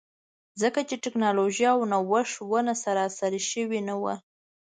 ځکه چې ټکنالوژي او نوښت ونه سراسري شوي نه وو.